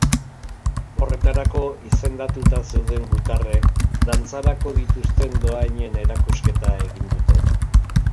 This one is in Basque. Horretarako, izendatuta zeuden gutarrek dantzarako dituzten dohainen erakusketa egin dute.